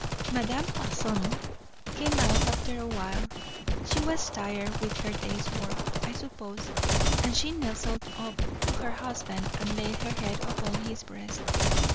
Madame Bazin came out after a while; she was tired with her day's work, I suppose; and she nestled up to her husband and laid her head upon his breast.